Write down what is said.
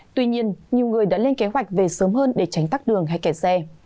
tuy nhiên nhiều người đã lên kế hoạch về sớm hơn để tránh tắt đường hay kẻ xe